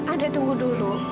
andrei tunggu dulu